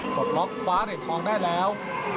ปลดล็อกคว้าเหรียญทองได้แล้ว